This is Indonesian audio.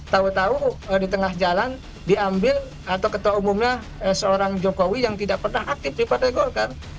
tahu tahu di tengah jalan diambil atau ketua umumnya seorang jokowi yang tidak pernah aktif di partai golkar